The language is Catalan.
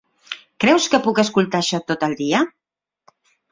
Creus que puc escoltar això tot el dia?